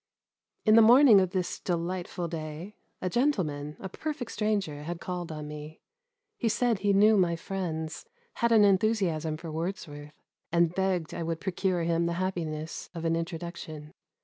In the morning of this delightful day, a gentleman, a per fect stranger, had called on me. He said he knew my friends, had an enthusiasm for Wordsworth, and hegged I would pro cure him the happiness of an introduction.